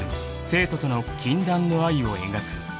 生徒との禁断の愛を描く］